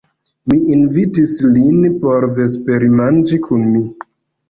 Mi invitis lin por vespermanĝi kun mi.